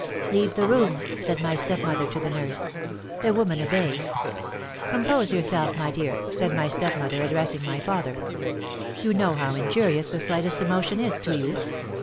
"'Leave the room,' said my stepmother to the nurse. The woman obeyed. 'Compose yourself, my dear!' said my stepmother, addressing my father; 'you know how injurious the slightest emotion is to you.